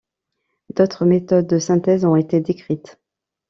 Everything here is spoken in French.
D'autres méthodes de synthèse ont été décrites.